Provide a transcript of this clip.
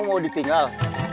kamu mau ditinggal